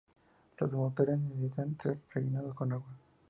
Los motores necesitaban ser rellenados con agua.